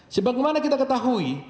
sebagaimana kita ketahui